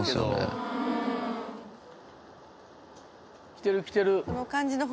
来てる来てる。